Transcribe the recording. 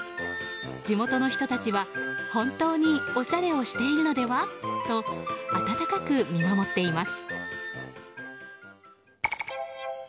地元の人たちは、本当におしゃれをしているのでは？と温かく見守っています。